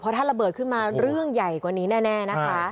ถ้าระเบิดขึ้นมาเรื่องใหญ่กว่านี้แน่นะคะ